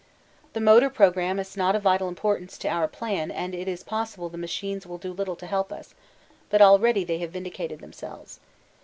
The motor programme is not of vital importance to our plan and it is possible the machines will do little to help us, but already they have vindicated themselves.